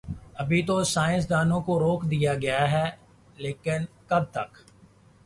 ابھی تو سائنس دانوں کو روک دیا گیا ہے، لیکن کب تک؟